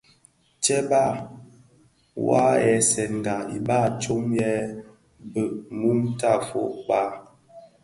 Tsèba wua a ghèsèga iba tsom yè bheg mum tafog kpag.